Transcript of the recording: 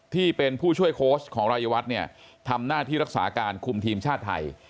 ที่เป็นผู้ช่วยโค้ชของรายวัฒน์เนี่ยทำหน้าที่รักษาการคุมทีมชาติไทย